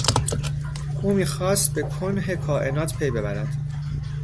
او میخواست به کنه کائنات پی ببرد.